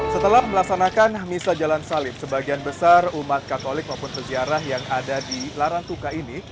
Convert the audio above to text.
setelah melaksanakan misa jalan salib sebagian besar umat katolik maupun peziarah yang ada di larantuka ini